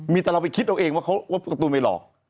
มีแต่เราไปคิดเอาเองว่าการ์ตูนไปหลอก